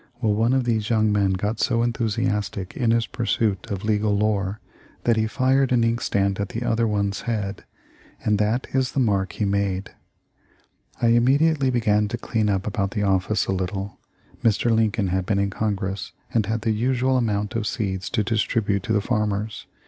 'Well, one of these young men got so enthusiastic in his pursuit of legal lore that he fired an inkstand at the other one's head, and that is the mark he made.' I immediately began to clean up about the office a little. Mr. Lincoln had been in Congress and had the usual amount of seeds to distribute to the farmers.